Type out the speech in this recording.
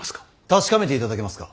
確かめていただけますか。